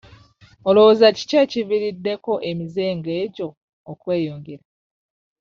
Olowooza kiki ekiviiriddeko emize nga egyo okweyongera?